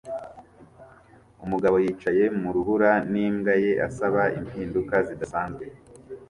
Umugabo yicaye mu rubura n'imbwa ye asaba impinduka zidasanzwe